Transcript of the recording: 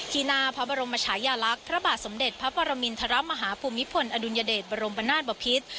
ที่หน้าพระบรมชายาลักษณ์พระบาทสมเด็จพระปรมินทรมาฮภูมิพลอดุลยเดชบรมนาศบพิษ